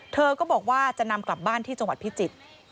เธอก็บอกว่าจะนำกลับบ้านที่จังหวัดพิจิตร